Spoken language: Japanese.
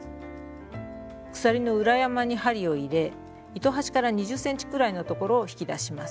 鎖の裏山に針を入れ糸端から２０ｃｍくらいのところを引き出します。